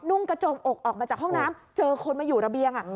กระจมอกออกมาจากห้องน้ำเจอคนมาอยู่ระเบียง